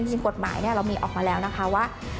จริงกฎหมายเรามีออกมาแล้วนะคะว่า